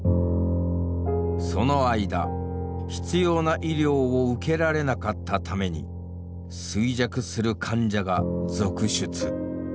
その間必要な医療を受けられなかったために衰弱する患者が続出。